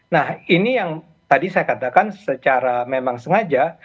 nah ini yang tadi saya katakan secara memang sengaja